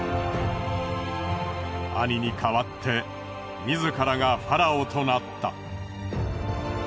兄に代わって自らがファラオとなった。